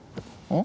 ん？